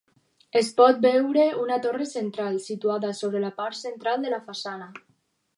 Es pot veure una torre central situada sobre la part central de la façana.